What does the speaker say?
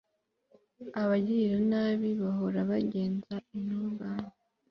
abagiranabi bahora bagenza intungane